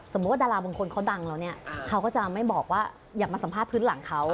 ว่าดาราบางคนเขาดังแล้วเนี่ยเขาก็จะไม่บอกว่าอยากมาสัมภาษณ์พื้นหลังเขา